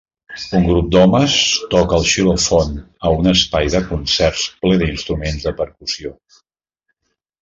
Un grup d'homes toca el xilòfon a un espai de concerts ple d'instruments de percussió.